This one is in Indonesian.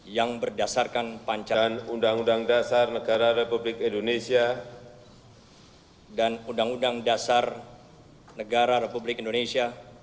yang berdasarkan pancasila dan undang undang dasar negara republik indonesia